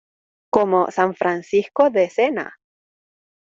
como San Francisco de Sena!